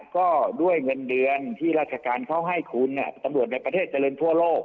ก็ด้วยเงินเดือนที่ราชการเขาให้คุณตำรวจในประเทศเจริญทั่วโลก